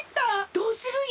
どうするよ？